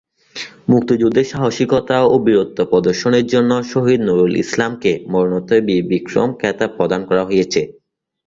মুক্তিযুদ্ধে সাহসিকতা ও বীরত্ব প্রদর্শনের জন্য শহীদ নূরুল ইসলামকে মরণোত্তর বীর বিক্রম খেতাব প্রদান করা হয়েছে।